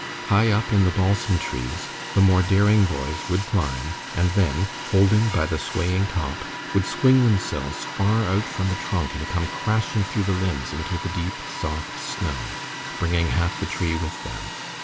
High up in the balsam trees the more daring boys would climb, and then, holding by the swaying top, would swing themselves far out from the trunk and come crashing through the limbs into the deep, soft snow, bringing half the tree with them.